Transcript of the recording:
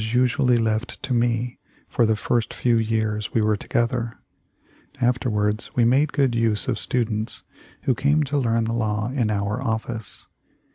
THE LIFE OF LINCOLN. 313 usually left to me for the first few years we were together. Afterwards we made good use of stu dents who came to learn the law in our office.